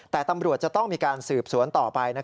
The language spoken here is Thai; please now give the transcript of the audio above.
แต่ตำรวจจะต้องมีการสืบสวนต่อไป